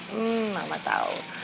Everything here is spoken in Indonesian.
hmm mama tau